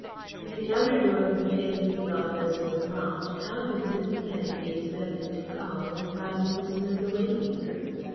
If the outer door of Michaelis's office was locked how could Miss Kenney be expected to call and find this note awaiting her?